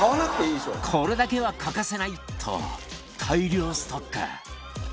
「これだけは欠かせない！」と大量ストック